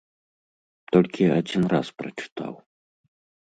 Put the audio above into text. Толькі адзін раз прачытаў.